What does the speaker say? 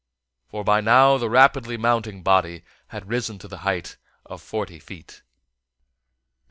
For by now the rapidly mounting body had risen to the height of forty feet.